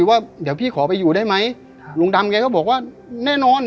ว่าเดี๋ยวพี่ขอไปอยู่ได้ไหมลุงดำแกก็บอกว่าแน่นอน